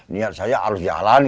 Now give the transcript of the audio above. niat saya harus jalan